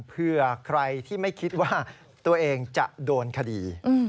เพื่อใครที่ไม่คิดว่าตัวเองจะโดนคดี